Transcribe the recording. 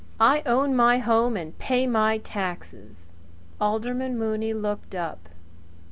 I own my home and pay my taxes " Alderman Mooney looked up.